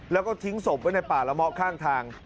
แล้วก็ทิ้งศพไว้ในป่าละเมาะข้างทาง